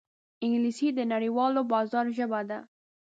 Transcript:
انګلیسي د نړیوال بازار ژبه ده